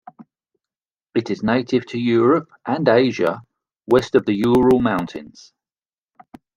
It is native to Europe and Asia west of the Ural Mountains.